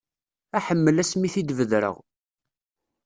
Aḥemmel ass mi i t-id-bedreɣ.